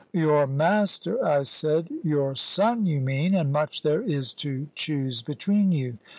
"Your master!" I said. "Your son, you mean! And much there is to choose between you!"